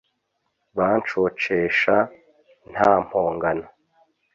bancocesha nta mpongano